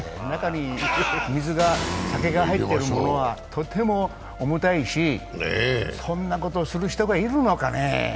中に水が、酒が入っているものはとっても重たいしそんなことする人がいるのかねぇ。